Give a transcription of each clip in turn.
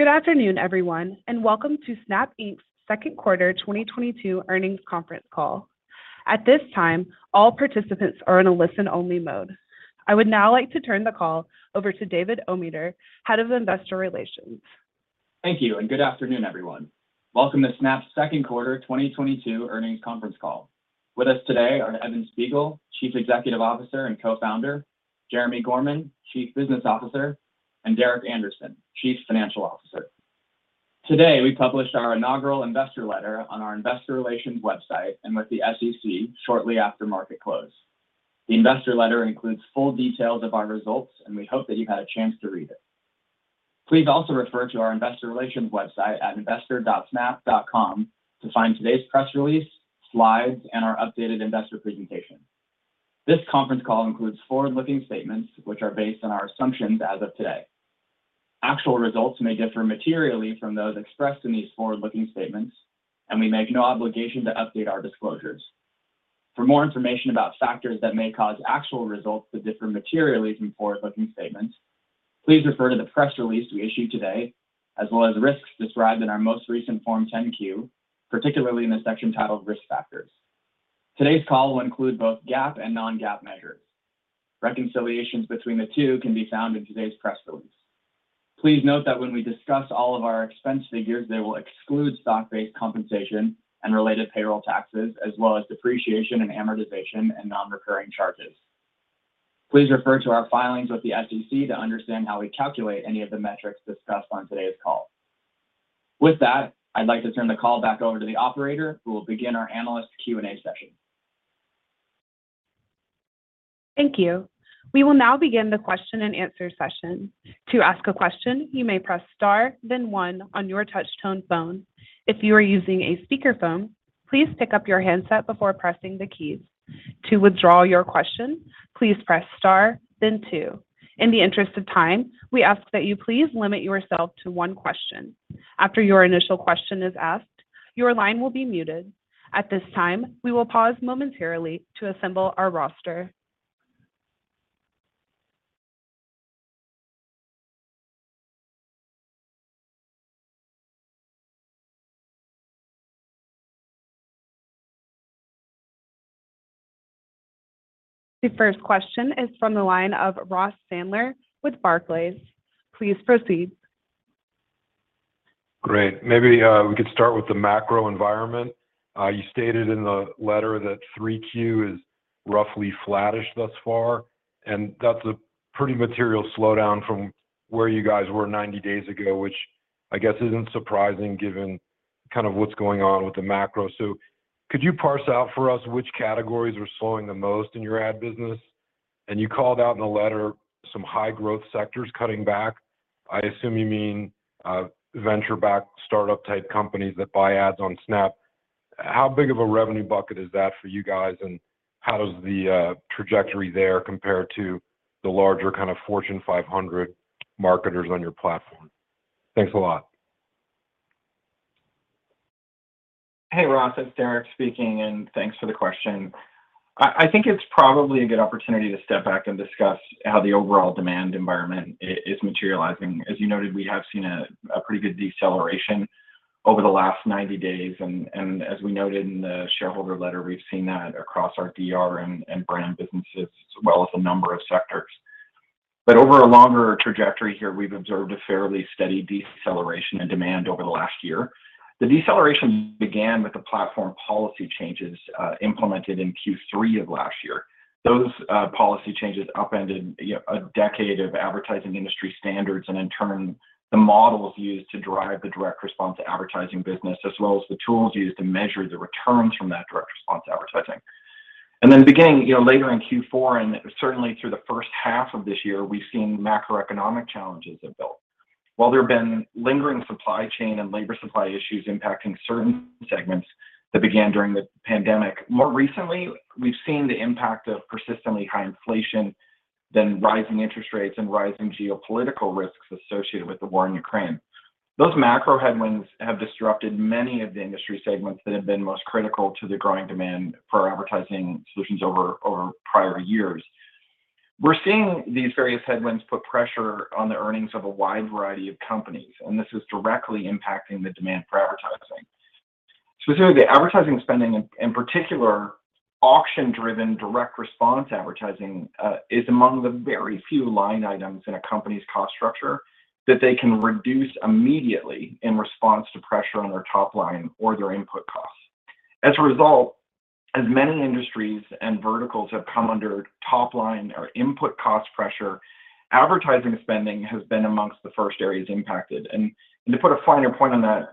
Good afternoon, everyone, and welcome to Snap Inc.'s Second Quarter 2022 Earnings Conference Call. At this time, all participants are in a listen-only mode. I would now like to turn the call over to David Ometer, Head of Investor Relations. Thank you, and good afternoon, everyone. Welcome to Snap's second quarter 2022 earnings conference call. With us today are Evan Spiegel, Chief Executive Officer and Co-founder; Jeremi Gorman, Chief Business Officer; and Derek Andersen, Chief Financial Officer. Today, we published our inaugural investor letter on our investor relations website and with the SEC shortly after market close. The investor letter includes full details of our results, and we hope that you've had a chance to read it. Please also refer to our investor relations website at investor.snap.com to find today's press release, slides, and our updated investor presentation. This conference call includes forward-looking statements which are based on our assumptions as of today. Actual results may differ materially from those expressed in these forward-looking statements, and we make no obligation to update our disclosures. For more information about factors that may cause actual results to differ materially from forward-looking statements, please refer to the press release we issued today, as well as risks described in our most recent Form 10-Q, particularly in the section titled Risk Factors. Today's call will include both GAAP and non-GAAP measures. Reconciliations between the two can be found in today's press release. Please note that when we discuss all of our expense figures, they will exclude stock-based compensation and related payroll taxes, as well as depreciation and amortization and non-recurring charges. Please refer to our filings with the SEC to understand how we calculate any of the metrics discussed on today's call. With that, I'd like to turn the call back over to the operator, who will begin our analyst Q&A session. Thank you. We will now begin the question-and-answer session. To ask a question, you may press star then one on your touch tone phone. If you are using a speakerphone, please pick up your handset before pressing the keys. To withdraw your question, please press star then two. In the interest of time, we ask that you please limit yourself to one question. After your initial question is asked, your line will be muted. At this time, we will pause momentarily to assemble our roster. The first question is from the line of Ross Sandler with Barclays. Please proceed. Great. Maybe we could start with the macro environment. You stated in the letter that Q3 is roughly flattish thus far, and that's a pretty material slowdown from where you guys were 90 days ago, which I guess isn't surprising given kind of what's going on with the macro. Could you parse out for us which categories are slowing the most in your ad business? You called out in the letter some high-growth sectors cutting back. I assume you mean venture-backed startup-type companies that buy ads on Snap. How big of a revenue bucket is that for you guys, and how does the trajectory there compare to the larger kind of Fortune 500 marketers on your platform? Thanks a lot. Hey, Ross. It's Derek speaking, and thanks for the question. I think it's probably a good opportunity to step back and discuss how the overall demand environment is materializing. As you noted, we have seen a pretty good deceleration over the last 90 days. As we noted in the shareholder letter, we've seen that across our DR and brand businesses, as well as a number of sectors. Over a longer trajectory here, we've observed a fairly steady deceleration in demand over the last year. The deceleration began with the platform policy changes implemented in Q3 of last year. Those policy changes upended a decade of advertising industry standards and in turn, the models used to drive the direct response advertising business, as well as the tools used to measure the returns from that direct response advertising. Beginning, you know, later in Q4, and certainly through the first half of this year, we've seen macroeconomic challenges have built. While there have been lingering supply chain and labor supply issues impacting certain segments that began during the pandemic, more recently, we've seen the impact of persistently high inflation, then rising interest rates and rising geopolitical risks associated with the war in Ukraine. Those macro headwinds have disrupted many of the industry segments that have been most critical to the growing demand for advertising solutions over prior years. We're seeing these various headwinds put pressure on the earnings of a wide variety of companies, and this is directly impacting the demand for advertising. Specifically, advertising spending, in particular auction-driven direct response advertising, is among the very few line items in a company's cost structure that they can reduce immediately in response to pressure on their top line or their input costs. As a result, as many industries and verticals have come under top-line or input cost pressure, advertising spending has been amongst the first areas impacted. To put a finer point on that,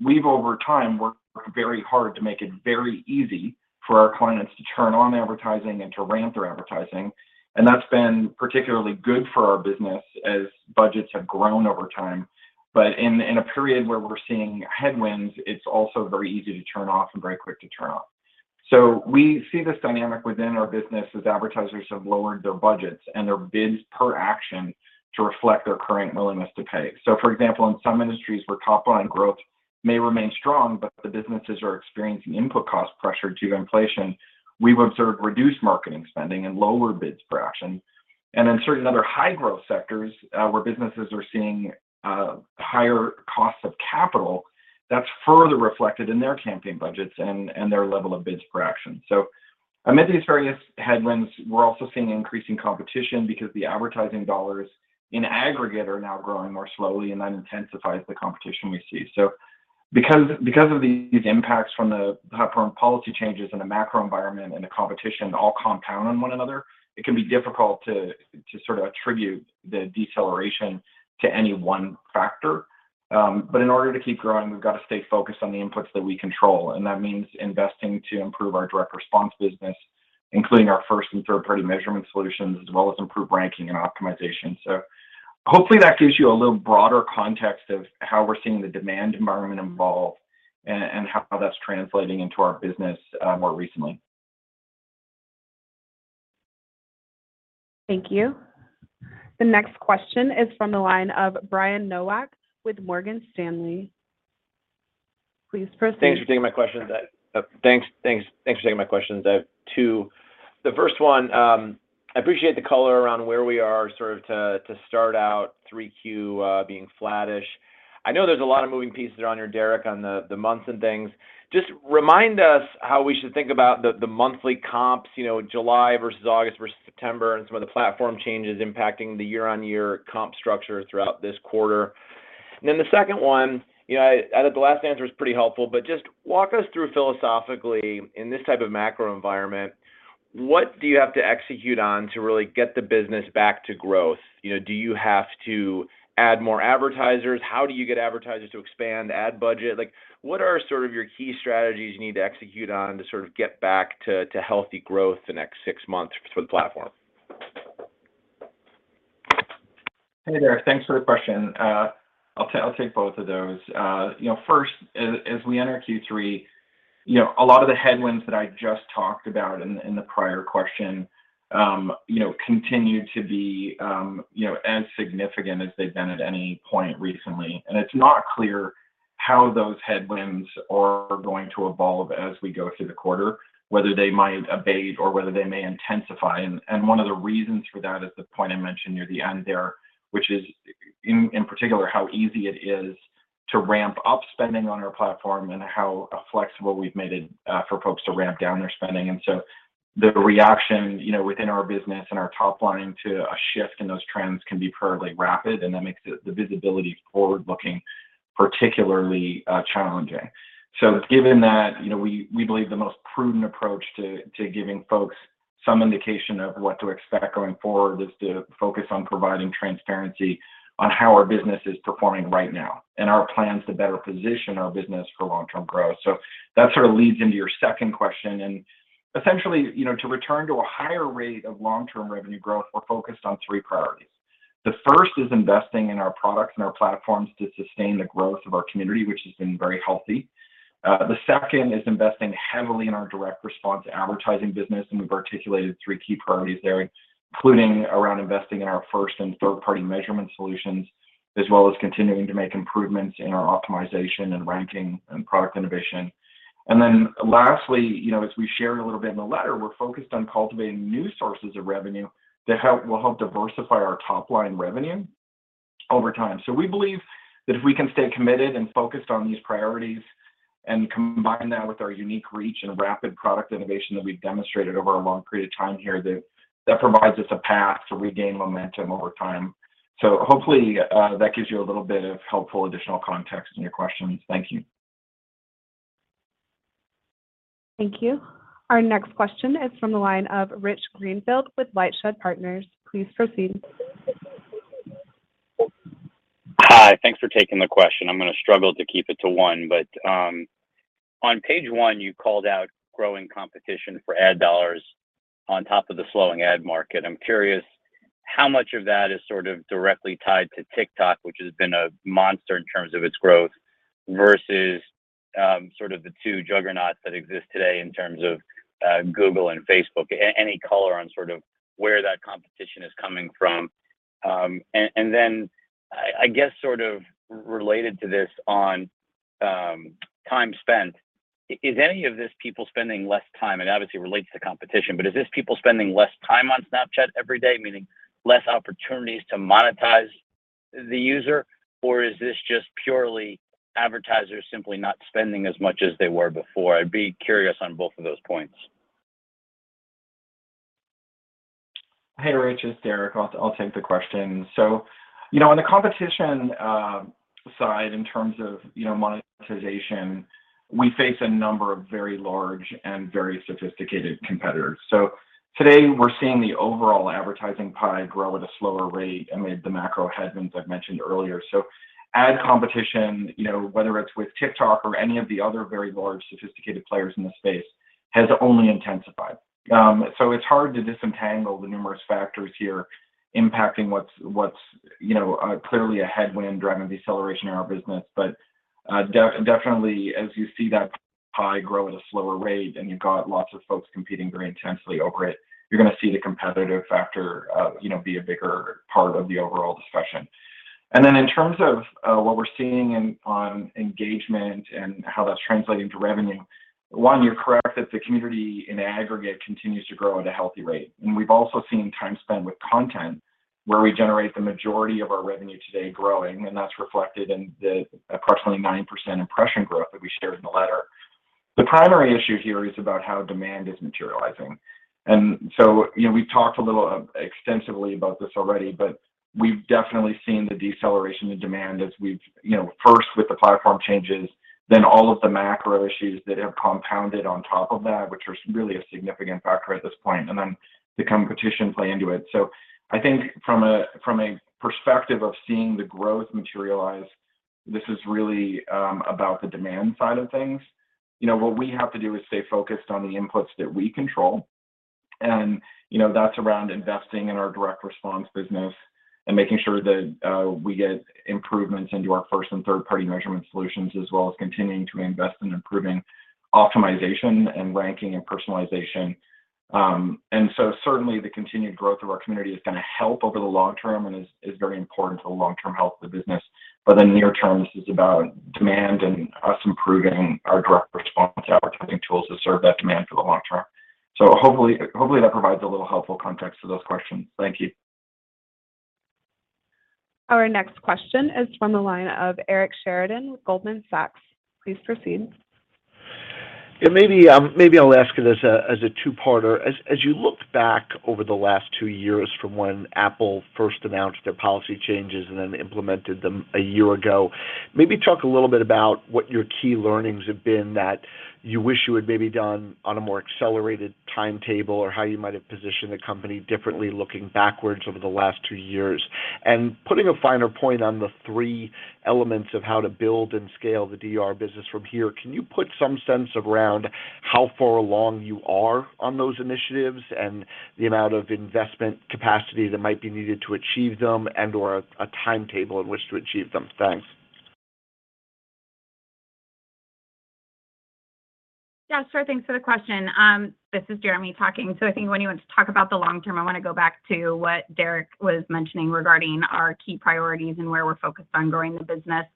we've over time worked very hard to make it very easy for our clients to turn on advertising and to ramp their advertising. That's been particularly good for our business as budgets have grown over time. In a period where we're seeing headwinds, it's also very easy to turn off and very quick to turn off. We see this dynamic within our business as advertisers have lowered their budgets and their bids per action to reflect their current willingness to pay. For example, in some industries where top-line growth may remain strong, but the businesses are experiencing input cost pressure due to inflation. We've observed reduced marketing spending and lower bids for action. In certain other high-growth sectors, where businesses are seeing higher costs of capital, that's further reflected in their campaign budgets and their level of bids for action. Amid these various headwinds, we're also seeing increasing competition because the advertising dollars in aggregate are now growing more slowly, and that intensifies the competition we see. Because of these impacts from the platform policy changes and the macro environment and the competition all compound on one another, it can be difficult to sort of attribute the deceleration to any one factor. In order to keep growing, we've got to stay focused on the inputs that we control, and that means investing to improve our direct response business, including our first and third-party measurement solutions, as well as improved ranking and optimization. Hopefully that gives you a little broader context of how we're seeing the demand environment evolve and how that's translating into our business more recently. Thank you. The next question is from the line of Brian Nowak with Morgan Stanley. Please proceed. Thanks for taking my questions. I have two. The first one, I appreciate the color around where we are sort of to start out Q3 being flattish. I know there's a lot of moving pieces that are on here, Derek, on the months and things. Just remind us how we should think about the monthly comps, you know, July versus August versus September and some of the platform changes impacting the year-on-year comp structure throughout this quarter. Then the second one, you know, I thought the last answer was pretty helpful, but just walk us through philosophically in this type of macro environment, what do you have to execute on to really get the business back to growth? You know, do you have to add more advertisers? How do you get advertisers to expand ad budget? Like, what are sort of your key strategies you need to execute on to sort of get back to healthy growth the next six months for the platform? Hey there. Thanks for the question. I'll take both of those. You know, first, as we enter Q3, you know, a lot of the headwinds that I just talked about in the prior question, you know, continue to be, you know, as significant as they've been at any point recently. It's not clear how those headwinds are going to evolve as we go through the quarter, whether they might abate or whether they may intensify. One of the reasons for that is the point I mentioned near the end there, which is in particular, how easy it is to ramp up spending on our platform and how flexible we've made it, for folks to ramp down their spending. The reaction, you know, within our business and our top line to a shift in those trends can be fairly rapid, and that makes the visibility forward looking particularly challenging. Given that, you know, we believe the most prudent approach to giving folks some indication of what to expect going forward is to focus on providing transparency on how our business is performing right now and our plans to better position our business for long-term growth. That sort of leads into your second question. Essentially, you know, to return to a higher rate of long-term revenue growth, we're focused on three priorities. The first is investing in our products and our platforms to sustain the growth of our community, which has been very healthy. The second is investing heavily in our direct response advertising business, and we've articulated three key priorities there, including around investing in our first and third-party measurement solutions, as well as continuing to make improvements in our optimization and ranking and product innovation. Lastly, you know, as we shared a little bit in the letter, we're focused on cultivating new sources of revenue that will help diversify our top-line revenue over time. We believe that if we can stay committed and focused on these priorities and combine that with our unique reach and rapid product innovation that we've demonstrated over a long period of time here, that provides us a path to regain momentum over time. Hopefully, that gives you a little bit of helpful additional context in your questions. Thank you. Thank you. Our next question is from the line of Rich Greenfield with LightShed Partners. Please proceed. Hi. Thanks for taking the question. I'm gonna struggle to keep it to one, but on page one, you called out growing competition for ad dollars on top of the slowing ad market. I'm curious how much of that is sort of directly tied to TikTok, which has been a monster in terms of its growth, versus sort of the two juggernauts that exist today in terms of Google and Facebook. Any color on sort of where that competition is coming from. I guess sort of related to this on time spent, is any of this people spending less time, and obviously relates to competition, but is this people spending less time on Snapchat every day, meaning less opportunities to monetize the user, or is this just purely advertisers simply not spending as much as they were before? I'd be curious on both of those points. Hey, Rich, it's Derek. I'll take the question. You know, on the competition side, in terms of you know monetization, we face a number of very large and very sophisticated competitors. Today we're seeing the overall advertising pie grow at a slower rate amid the macro headwinds I've mentioned earlier. Ad competition, you know, whether it's with TikTok or any of the other very large sophisticated players in the space, has only intensified. It's hard to disentangle the numerous factors here impacting what's you know clearly a headwind driving deceleration in our business. Definitely, as you see that pie grow at a slower rate, and you've got lots of folks competing very intensely over it. You're gonna see the competitive factor be a bigger part of the overall discussion. In terms of what we're seeing on engagement and how that's translating to revenue, one, you're correct that the community in aggregate continues to grow at a healthy rate. We've also seen time spent with content where we generate the majority of our revenue today growing, and that's reflected in the approximately 9% impression growth that we shared in the letter. The primary issue here is about how demand is materializing. You know, we've talked a little extensively about this already, but we've definitely seen the deceleration in demand as we've, you know, first with the platform changes, then all of the macro issues that have compounded on top of that, which are really a significant factor at this point, and then the competition play into it. I think from a perspective of seeing the growth materialize, this is really about the demand side of things. You know, what we have to do is stay focused on the inputs that we control. You know, that's around investing in our direct response business and making sure that we get improvements into our first- and third-party measurement solutions, as well as continuing to invest in improving optimization and ranking and personalization. Certainly the continued growth of our community is gonna help over the long term and is very important to the long-term health of the business. In the near term, this is about demand and us improving our direct response advertising tools to serve that demand for the long term. Hopefully that provides a little helpful context to those questions. Thank you. Our next question is from the line of Eric Sheridan with Goldman Sachs. Please proceed. Yeah, maybe I'll ask it as a two-parter. As you look back over the last two years from when Apple first announced their policy changes and then implemented them a year ago, maybe talk a little bit about what your key learnings have been that you wish you had maybe done on a more accelerated timetable or how you might have positioned the company differently looking backwards over the last two years. Putting a finer point on the three elements of how to build and scale the DR business from here, can you put some sense around how far along you are on those initiatives and the amount of investment capacity that might be needed to achieve them and/or a timetable in which to achieve them? Thanks. Yeah, sure. Thanks for the question. This is Jeremi talking. I think when you want to talk about the long term, I wanna go back to what Derek was mentioning regarding our key priorities and where we're focused on growing the business.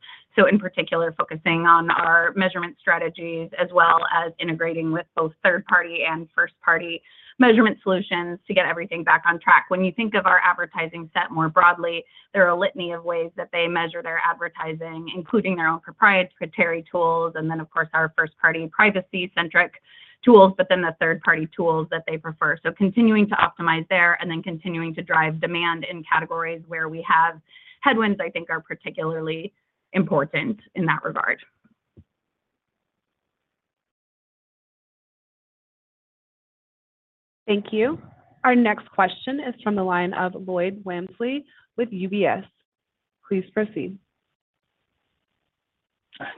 In particular, focusing on our measurement strategies as well as integrating with both third-party and first-party measurement solutions to get everything back on track. When you think of our advertising set more broadly, there are a litany of ways that they measure their advertising, including their own proprietary tools and then of course our first-party privacy-centric tools, but then the third-party tools that they prefer. Continuing to optimize there and then continuing to drive demand in categories where we have headwinds I think are particularly important in that regard. Thank you. Our next question is from the line of Lloyd Walmsley with UBS. Please proceed.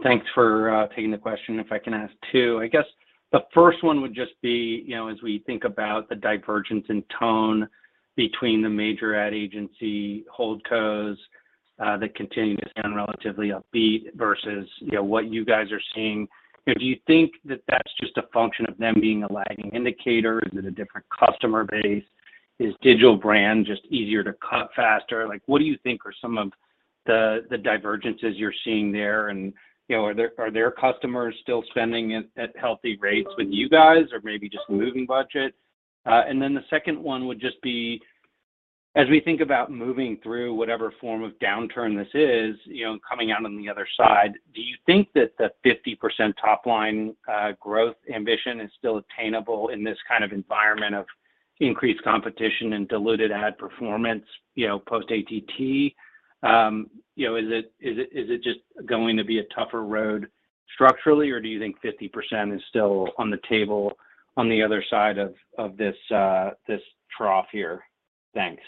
Thanks for taking the question. If I can ask two. I guess the first one would just be, you know, as we think about the divergence in tone between the major ad agency, holdcos that continue to sound relatively upbeat versus, you know, what you guys are seeing. You know, do you think that that's just a function of them being a lagging indicator? Is it a different customer base? Is digital brand just easier to cut faster? Like what do you think are some of the divergences you're seeing there? And, you know, are their customers still spending at healthy rates with you guys or maybe just moving budget? The second one would just be as we think about moving through whatever form of downturn this is, you know, coming out on the other side, do you think that the 50% top line growth ambition is still attainable in this kind of environment of increased competition and diluted ad performance, you know, post ATT? You know, is it just going to be a tougher road structurally or do you think 50% is still on the table on the other side of this trough here? Thanks.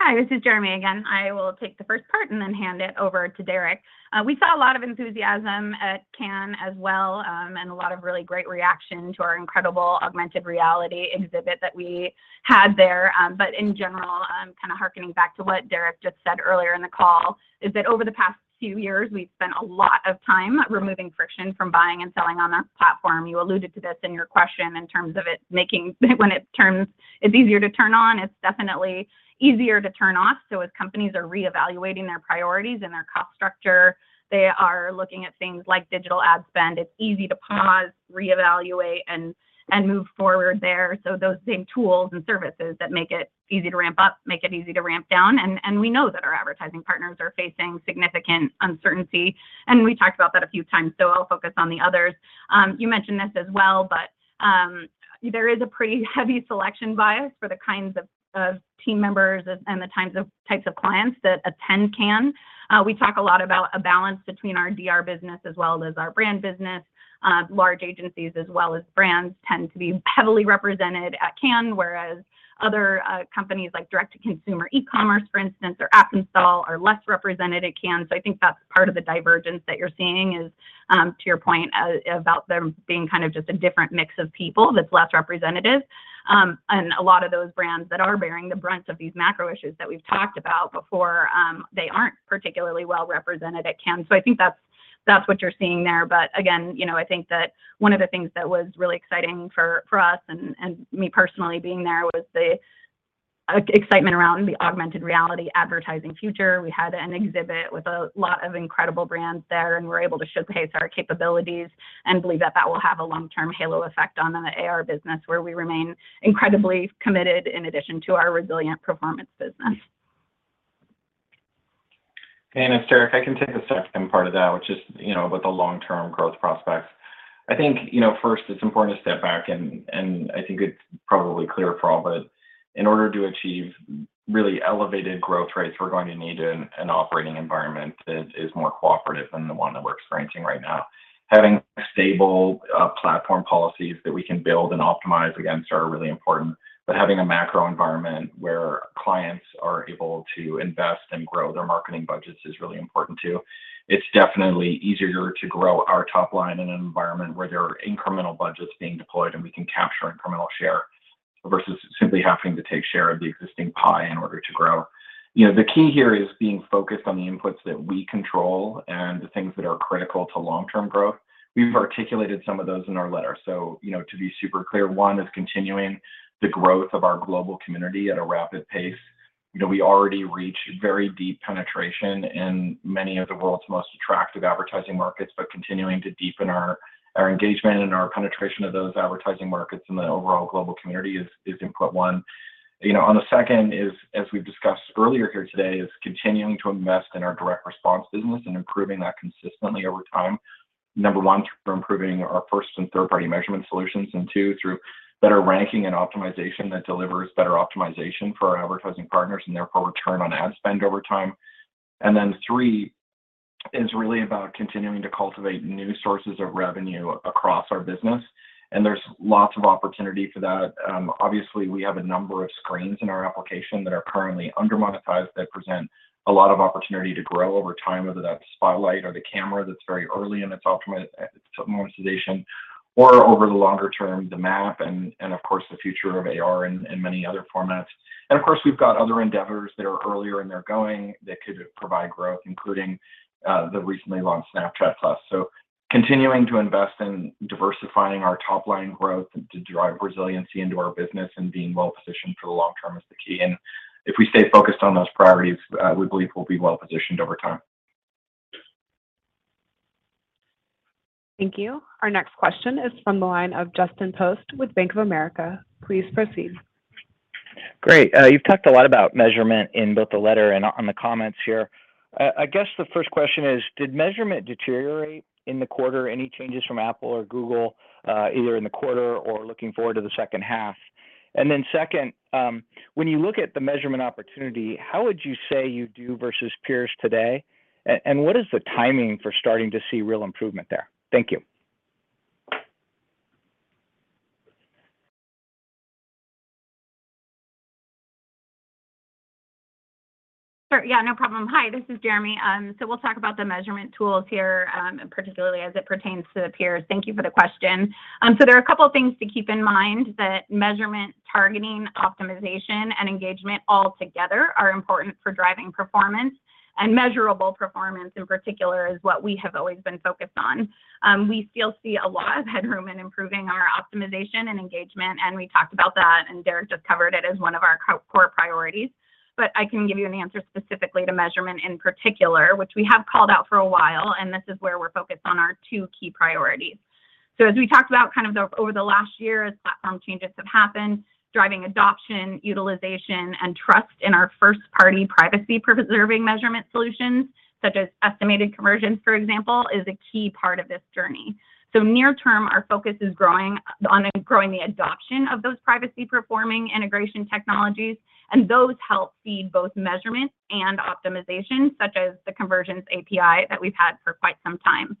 Hi, this is Jeremi again. I will take the first part and then hand it over to Derek. We saw a lot of enthusiasm at Cannes as well, and a lot of really great reaction to our incredible augmented reality exhibit that we had there. But in general, kind of hearkening back to what Derek just said earlier in the call, is that over the past few years we've spent a lot of time removing friction from buying and selling on our platform. You alluded to this in your question. When it turns, it's easier to turn on, it's definitely easier to turn off. As companies are reevaluating their priorities and their cost structure, they are looking at things like digital ad spend. It's easy to pause, reevaluate and move forward there. Those same tools and services that make it easy to ramp up, make it easy to ramp down. We know that our advertising partners are facing significant uncertainty and we talked about that a few times, so I'll focus on the others. You mentioned this as well, there is a pretty heavy selection bias for the kinds of team members and the types of clients that attend Cannes. We talk a lot about a balance between our DR business as well as our brand business. Large agencies as well as brands tend to be heavily represented at Cannes, whereas other companies like direct-to-consumer e-commerce for instance or app install are less represented at Cannes. I think that's part of the divergence that you're seeing is, to your point about them being kind of just a different mix of people that's less representative. A lot of those brands that are bearing the brunt of these macro issues that we've talked about before, they aren't particularly well represented at Cannes. I think that's what you're seeing there. But again, you know, I think that one of the things that was really exciting for us and me personally being there was the excitement around the augmented reality advertising future. We had an exhibit with a lot of incredible brands there, and we're able to showcase our capabilities and believe that will have a long-term halo effect on the AR business, where we remain incredibly committed in addition to our resilient performance business. It's Derek Andersen. I can take the second part of that, which is, you know, with the long-term growth prospects. I think, you know, first it's important to step back and I think it's probably clear for all, but in order to achieve really elevated growth rates, we're going to need an operating environment that is more cooperative than the one that we're experiencing right now. Having stable platform policies that we can build and optimize against are really important. But having a macro environment where clients are able to invest and grow their marketing budgets is really important too. It's definitely easier to grow our top line in an environment where there are incremental budgets being deployed, and we can capture incremental share versus simply having to take share of the existing pie in order to grow. You know, the key here is being focused on the inputs that we control and the things that are critical to long-term growth. We've articulated some of those in our letter. You know, to be super clear, one is continuing the growth of our global community at a rapid pace. You know, we already reach very deep penetration in many of the world's most attractive advertising markets, but continuing to deepen our engagement and our penetration of those advertising markets in the overall global community is input one. You know, on the second is, as we've discussed earlier here today, continuing to invest in our direct response business and improving that consistently over time. Number one, through improving our first and third-party measurement solutions, and two, through better ranking and optimization that delivers better optimization for our advertising partners and therefore return on ad spend over time. Then three is really about continuing to cultivate new sources of revenue across our business, and there's lots of opportunity for that. Obviously we have a number of screens in our application that are currently under-monetized, that present a lot of opportunity to grow over time, whether that's Spotlight or the Camera that's very early in its monetization or over the longer term, the Map and, of course the future of AR and many other formats. Of course, we've got other endeavors that are earlier in their going that could provide growth, including the recently launched Snapchat Plus. Continuing to invest in diversifying our top line growth to drive resiliency into our business and being well positioned for the long term is the key. If we stay focused on those priorities, we believe we'll be well positioned over time. Thank you. Our next question is from the line of Justin Post with Bank of America. Please proceed. Great. You've talked a lot about measurement in both the letter and on the comments here. I guess the first question is, did measurement deteriorate in the quarter? Any changes from Apple or Google, either in the quarter or looking forward to the second half? Second, when you look at the measurement opportunity, how would you say you do versus peers today? And what is the timing for starting to see real improvement there? Thank you. Sure. Yeah, no problem. Hi, this is Jeremi. We'll talk about the measurement tools here, and particularly as it pertains to the peers. Thank you for the question. There are a couple things to keep in mind that measurement, targeting, optimization, and engagement all together are important for driving performance. Measurable performance in particular is what we have always been focused on. We still see a lot of headroom in improving our optimization and engagement, and we talked about that and Derek just covered it as one of our core priorities. I can give you an answer specifically to measurement in particular, which we have called out for a while, and this is where we're focused on our two key priorities. As we talked about kind of over the last year, as platform changes have happened, driving adoption, utilization, and trust in our first-party privacy-preserving measurement solutions, such as estimated conversions, for example, is a key part of this journey. Near term, our focus is growing on growing the adoption of those privacy-preserving integration technologies, and those help feed both measurement and optimization, such as the Conversions API that we've had for quite some time.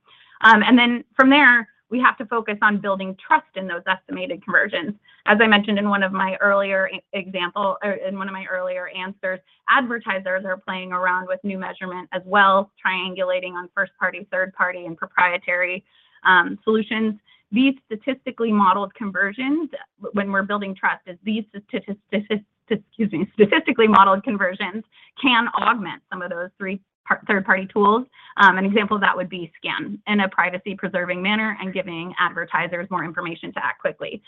From there, we have to focus on building trust in those estimated conversions. As I mentioned in one of my earlier example, or in one of my earlier answers, advertisers are playing around with new measurement as well, triangulating on first-party, third-party, and proprietary solutions. These statistically modeled conversions, when we're building trust, is these statistically modeled conversions can augment some of those third-party tools. An example of that would be SKAN in a privacy-preserving manner and giving advertisers more information to act quickly.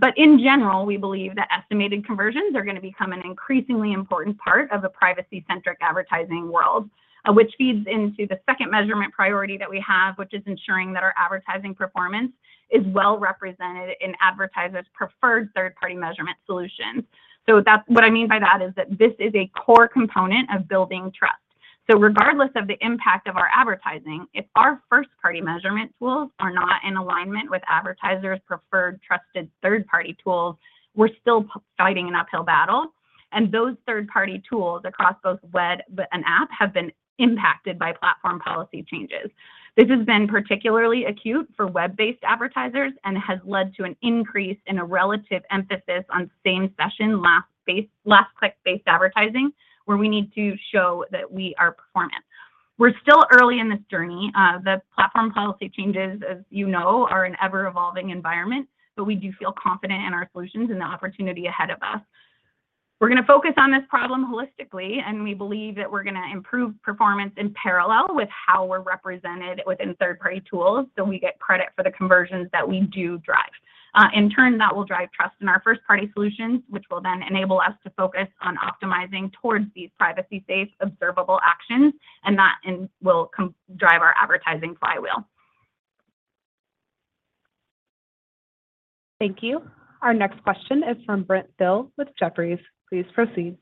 But in general, we believe that Estimated Conversions are gonna become an increasingly important part of a privacy-centric advertising world. Which feeds into the second measurement priority that we have, which is ensuring that our advertising performance is well represented in advertisers' preferred third-party measurement solutions. That's what I mean by that is that this is a core component of building trust. Regardless of the impact of our advertising, if our first-party measurement tools are not in alignment with advertisers' preferred trusted third-party tools, we're still fighting an uphill battle. Those third-party tools across both web and app have been impacted by platform policy changes. This has been particularly acute for web-based advertisers and has led to an increase in a relative emphasis on same session, last click-based advertising, where we need to show that we are performing. We're still early in this journey. The platform policy changes, as you know, are an ever-evolving environment, but we do feel confident in our solutions and the opportunity ahead of us. We're gonna focus on this problem holistically, and we believe that we're gonna improve performance in parallel with how we're represented within third-party tools, so we get credit for the conversions that we do drive. In turn, that will drive trust in our first-party solutions, which will then enable us to focus on optimizing towards these privacy-safe observable actions, and that in turn will drive our advertising flywheel. Thank you. Our next question is from Brent Thill with Jefferies. Please proceed.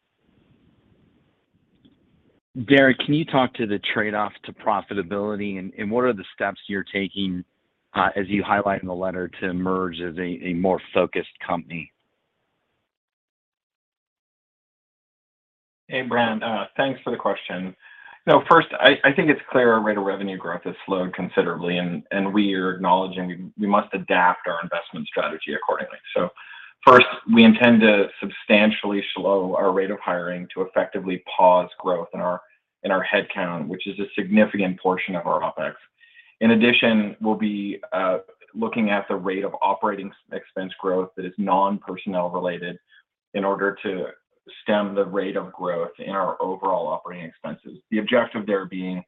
Derek, can you talk to the trade-off to profitability and what are the steps you're taking, as you highlight in the letter to emerge as a more focused company? Hey, Brent. Thanks for the question. You know, first, I think it's clear our rate of revenue growth has slowed considerably and we are acknowledging we must adapt our investment strategy accordingly. First, we intend to substantially slow our rate of hiring to effectively pause growth in our headcount, which is a significant portion of our OpEx. In addition, we'll be looking at the rate of operating expense growth that is non-personnel related in order to stem the rate of growth in our overall operating expenses. The objective there being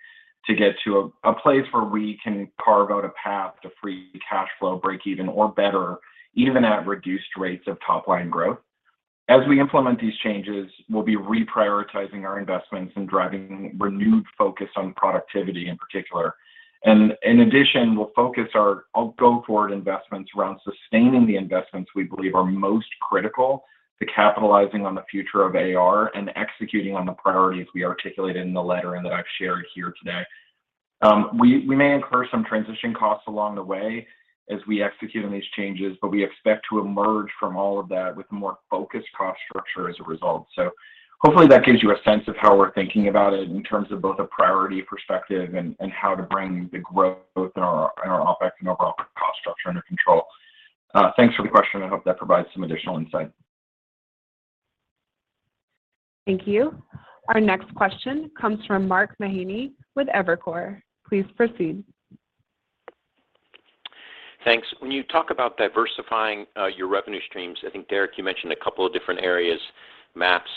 to get to a place where we can carve out a path to free cash flow, breakeven or better even at reduced rates of top line growth. As we implement these changes, we'll be reprioritizing our investments and driving renewed focus on productivity in particular. In addition, we'll focus our go forward investments around sustaining the investments we believe are most critical to capitalizing on the future of AR and executing on the priorities we articulated in the letter and that I've shared here today. We may incur some transition costs along the way as we execute on these changes, but we expect to emerge from all of that with more focused cost structure as a result. Hopefully, that gives you a sense of how we're thinking about it in terms of both a priority perspective and how to bring the growth both in our OpEx and overall cost structure under control. Thanks for the question. I hope that provides some additional insight. Thank you. Our next question comes from Mark Mahaney with Evercore. Please proceed. Thanks. When you talk about diversifying, your revenue streams, I think, Derek, you mentioned a couple of different areas, Maps,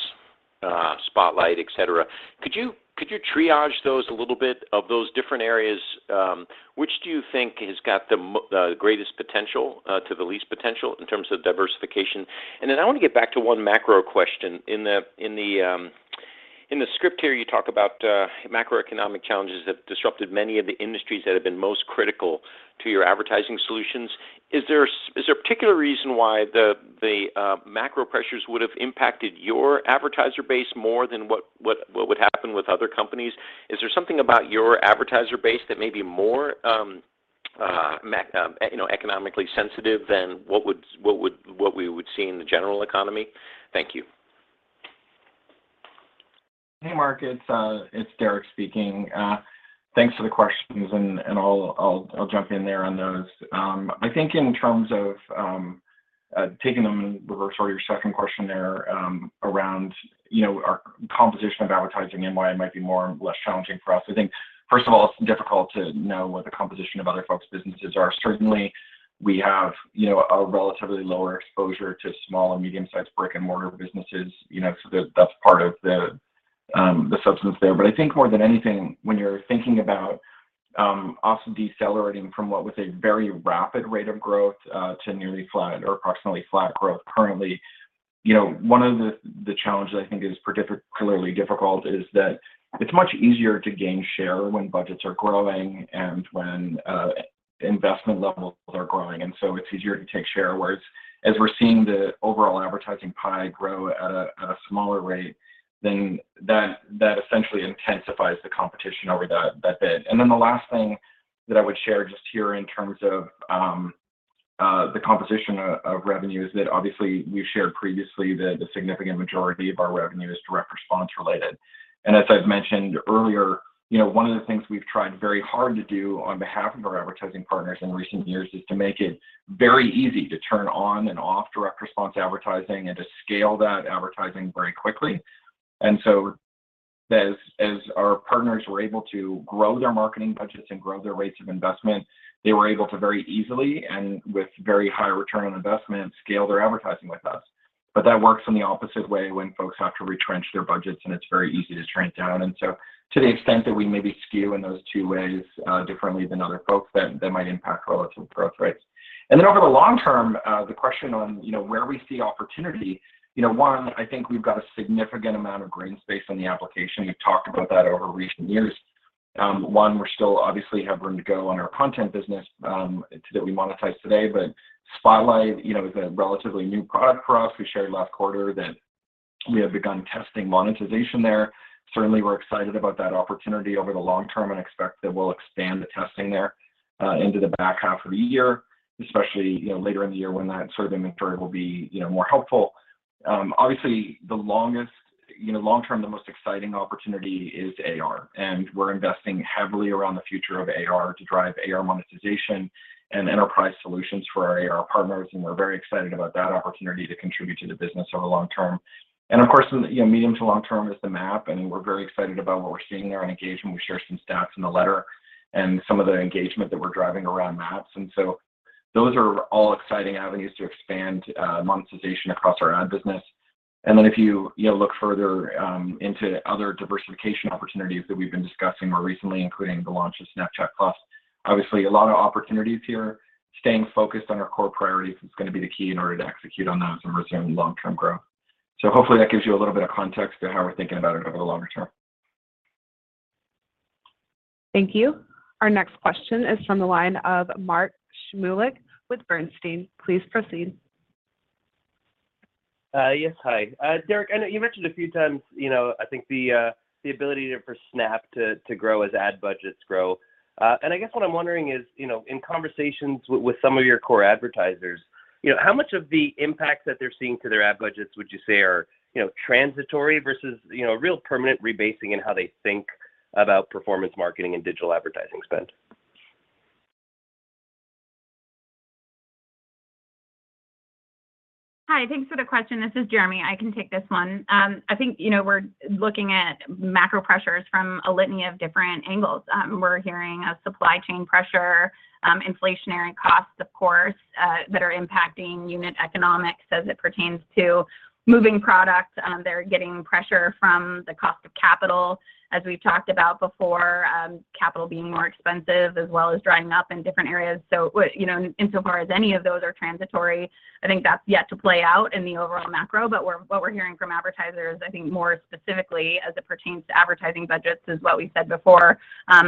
Spotlight, et cetera. Could you triage those a little bit of those different areas, which do you think has got the greatest potential to the least potential in terms of diversification? Then I wanna get back to one macro question. In the script here, you talk about macroeconomic challenges have disrupted many of the industries that have been most critical to your advertising solutions. Is there a particular reason why the macro pressures would have impacted your advertiser base more than what would happen with other companies? Is there something about your advertiser base that may be more, you know, economically sensitive than what we would see in the general economy? Thank you. Hey, Mark. It's Derek speaking. Thanks for the questions, and I'll jump in there on those. I think in terms of taking them in reverse order, your second question there, around, you know, our composition of advertising and why it might be more or less challenging for us. I think first of all, it's difficult to know what the composition of other folks' businesses are. Certainly, we have, you know, a relatively lower exposure to small and medium-sized brick-and-mortar businesses. You know, so that's part of the substance there. I think more than anything, when you're thinking about us decelerating from what was a very rapid rate of growth to nearly flat or approximately flat growth currently. You know, one of the challenges I think is clearly difficult is that it's much easier to gain share when budgets are growing and when investment levels are growing. It's easier to take share, whereas we're seeing the overall advertising pie grow at a smaller rate than that essentially intensifies the competition over that bid. The last thing that I would share just here in terms of the composition of revenue is that obviously we shared previously that the significant majority of our revenue is direct response related. I've mentioned earlier, you know, one of the things we've tried very hard to do on behalf of our advertising partners in recent years is to make it very easy to turn on and off direct response advertising and to scale that advertising very quickly. As our partners were able to grow their marketing budgets and grow their rates of investment, they were able to very easily and with very high return on investment scale their advertising with us. That works in the opposite way when folks have to retrench their budgets, and it's very easy to trend down. To the extent that we maybe skew in those two ways, differently than other folks, that might impact relative growth rates. Over the long term, the question on, you know, where we see opportunity. You know, one, I think we've got a significant amount of green space on the application. We've talked about that over recent years. One, we're still obviously have room to go on our content business, that we monetize today. Spotlight, you know, is a relatively new product for us. We shared last quarter that we have begun testing monetization there. Certainly, we're excited about that opportunity over the long term and expect that we'll expand the testing there into the back half of the year, especially, you know, later in the year when that sort of inventory will be, you know, more helpful. Obviously the longest, you know, long term, the most exciting opportunity is AR, and we're investing heavily around the future of AR to drive AR monetization and enterprise solutions for our AR partners. We're very excited about that opportunity to contribute to the business over long term. Of course, you know, medium to long term is the Map, and we're very excited about what we're seeing there on engagement. We share some stats in the letter and some of the engagement that we're driving around Maps. Those are all exciting avenues to expand monetization across our ad business. If you know, look further into other diversification opportunities that we've been discussing more recently, including the launch of Snapchat+, obviously a lot of opportunities here. Staying focused on our core priorities is gonna be the key in order to execute on those and resume long-term growth. Hopefully that gives you a little bit of context to how we're thinking about it over the longer term. Thank you. Our next question is from the line of Mark Shmulik with Bernstein. Please proceed. Yes. Hi. Derek, I know you mentioned a few times, you know, I think the ability for Snap to grow as ad budgets grow. I guess what I'm wondering is, you know, in conversations with some of your core advertisers, you know, how much of the impact that they're seeing to their ad budgets would you say are, you know, transitory versus, you know, real permanent rebasing in how they think about performance marketing and digital advertising spend? Hi. Thanks for the question. This is Jeremi. I can take this one. I think, you know, we're looking at macro pressures from a litany of different angles. We're hearing a supply chain pressure, inflationary costs, of course, that are impacting unit economics as it pertains to moving product. They're getting pressure from the cost of capital. As we've talked about before, capital being more expensive as well as drying up in different areas. You know, insofar as any of those are transitory, I think that's yet to play out in the overall macro. What we're hearing from advertisers, I think more specifically as it pertains to advertising budgets, is what we said before,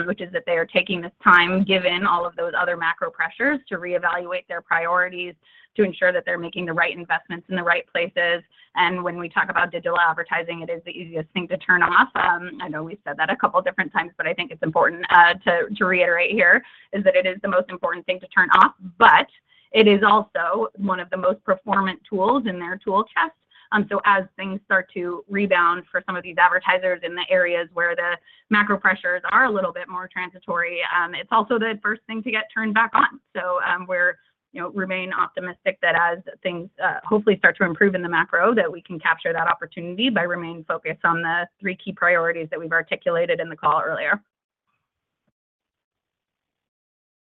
which is that they are taking this time, given all of those other macro pressures, to reevaluate their priorities to ensure that they're making the right investments in the right places. When we talk about digital advertising, it is the easiest thing to turn off. I know we said that a couple different times, but I think it's important to reiterate here, is that it is the most important thing to turn off, but it is also one of the most performant tools in their tool chest. As things start to rebound for some of these advertisers in the areas where the macro pressures are a little bit more transitory, it's also the first thing to get turned back on. We're, you know, remain optimistic that as things hopefully start to improve in the macro, that we can capture that opportunity by remaining focused on the three key priorities that we've articulated in the call earlier.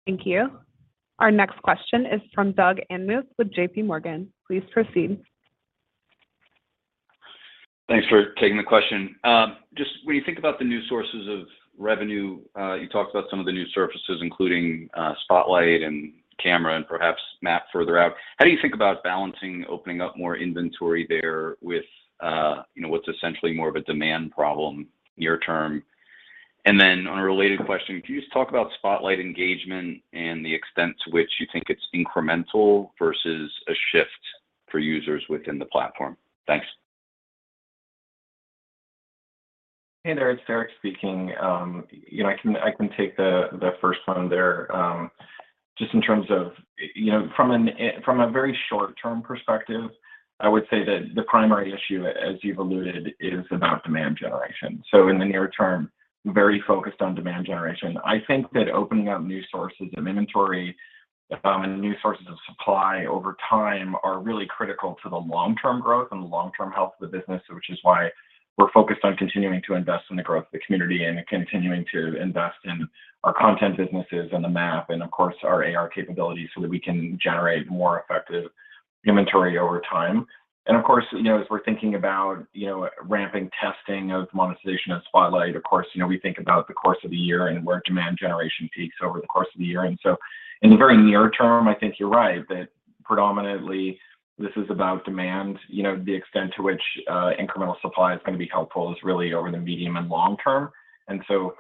Thank you. Our next question is from Doug Anmuth with J.P. Morgan. Please proceed. Thanks for taking the question. Just when you think about the new sources of revenue, you talked about some of the new surfaces including Spotlight and Camera and perhaps Map further out. How do you think about balancing opening up more inventory there with, you know, what's essentially more of a demand problem near term? On a related question, can you just talk about Spotlight engagement and the extent to which you think it's incremental versus a shift for users within the platform? Thanks. Hey there, it's Derek speaking. You know, I can take the first one there. Just in terms of, you know, from a very short-term perspective, I would say that the primary issue, as you've alluded, is about demand generation. In the near term, very focused on demand generation. I think that opening up new sources of inventory and new sources of supply over time are really critical to the long-term growth and the long-term health of the business, which is why we're focused on continuing to invest in the growth of the community and continuing to invest in our content businesses and the Map and of course our AR capabilities so that we can generate more effective inventory over time. Of course, you know, as we're thinking about, you know, ramping testing of monetization of Spotlight, of course, you know, we think about the course of the year and where demand generation peaks over the course of the year. In the very near term, I think you're right that predominantly this is about demand. You know, the extent to which, incremental supply is gonna be helpful is really over the medium and long term.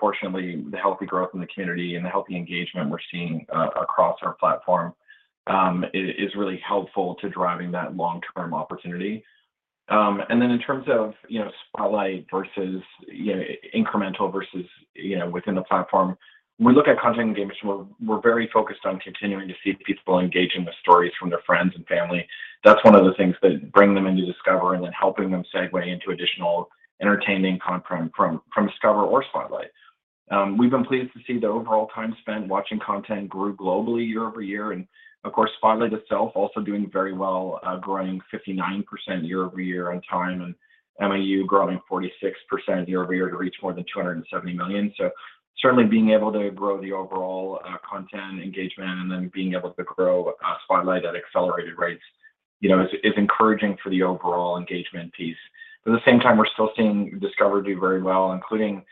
Fortunately, the healthy growth in the community and the healthy engagement we're seeing, across our platform, is really helpful to driving that long-term opportunity. Then in terms of, you know, Spotlight versus, you know, incremental versus, you know, within the platform, when we look at content engagement, we're very focused on continuing to see people engaging with stories from their friends and family. That's one of the things that bring them into Discover and then helping them segue into additional entertaining content from Discover or Spotlight. We've been pleased to see the overall time spent watching content grew globally year-over-year, and of course, Spotlight itself also doing very well, growing 59% year-over-year on time, and MAU growing 46% year-over-year to reach more than 270 million. Certainly being able to grow the overall content engagement and then being able to grow Spotlight at accelerated rates, you know, is encouraging for the overall engagement piece. At the same time, we're still seeing Discover do very well, including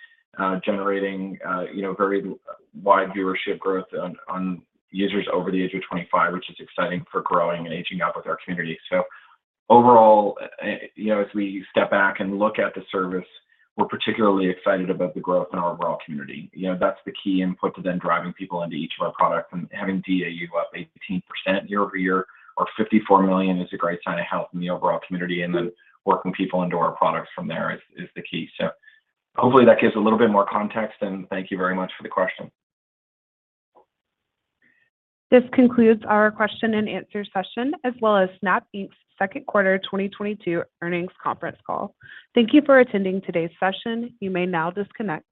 generating, you know, very wide viewership growth on users over the age of 25, which is exciting for growing and aging up with our community. Overall, you know, as we step back and look at the service, we're particularly excited about the growth in our overall community. You know, that's the key input to then driving people into each of our products. Having DAU up 18% year-over-year or 54 million is a great sign of health in the overall community, and then working people into our products from there is the key. Hopefully that gives a little bit more context, and thank you very much for the question. This concludes our question and answer session, as well as Snap Inc.'s second quarter 2022 earnings conference call. Thank you for attending today's session. You may now disconnect.